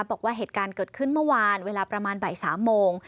บอกว่าเหตุการณ์เกิดขึ้นเมื่อวานเวลาประมาณบ่าย๓โมง